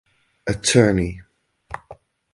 Atty.